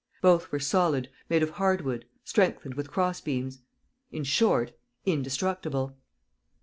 Both were solid, made of hard wood, strengthened with cross beams ... in short, indestructible.